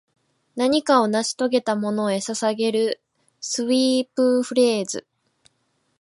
何かを成し遂げたものへ捧げるスウィープフレーズ